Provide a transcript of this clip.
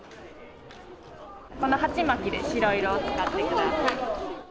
このはちまきで白色を使ってください。